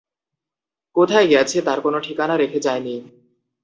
কোথায় গেছে তার কোনো ঠিকানা রেখে যায় নি।